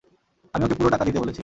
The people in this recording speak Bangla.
আমি ওকে পুরো টাকা দিতে বলেছি।